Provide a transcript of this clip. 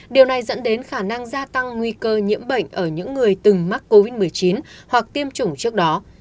điều này dẫn đến khả năng gia tăng nguy cơ nhiễm bệnh ở những người từng mắc covid một mươi chín hoặc tiêm chủng trước đó